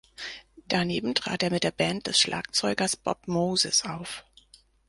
Daneben trat er mit der Band des Schlagzeugers Bob Moses auf.